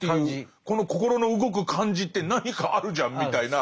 この心の動く感じって何かあるじゃんみたいな。